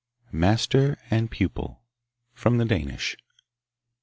Master and Pupil From the Danish.